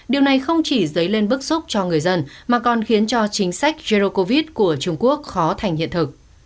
điều này không chỉ giấy lên bức xúc cho người dân mà còn khiến cho chính sách jerdo covid của trung quốc khó thành hiện thực